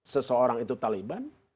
seseorang itu taliban